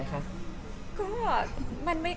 เราหงษิกันไหมคะ